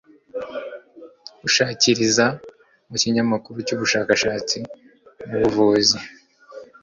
gushakishiriza mu kinyamakuru cy'ubushakashatsi mu buvuzi